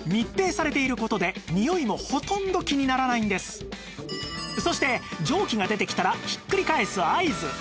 そうそして蒸気が出てきたらひっくり返す合図